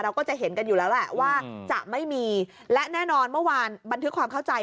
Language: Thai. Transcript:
ก็จะเห็นกันอยู่แล้วแหละว่าจะไม่มีและแน่นอนเมื่อวานบันทึกความเข้าใจ